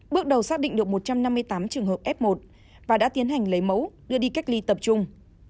bước đầu xác định được một trăm năm mươi tám trường hợp f một và đã tiến hành lấy mẫu đưa đi cách ly tập trung